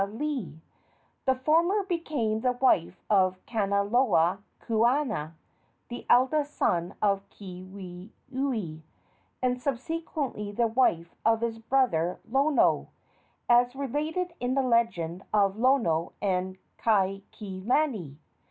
The former became the wife of Kanaloa kuaana, the eldest son of Keawenui, and subsequently the wife of his brother Lono, as related in the legend of "Lono and Kaikilani."